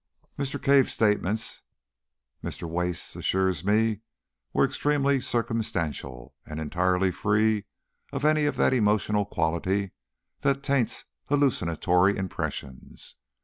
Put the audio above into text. Mr. Cave's statements, Mr. Wace assures me, were extremely circumstantial, and entirely free from any of that emotional quality that taints hallucinatory impressions.